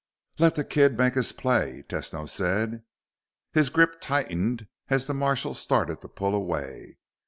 "Let the kid make his play," Tesno said. His grip tightened as the marshal started to pull away.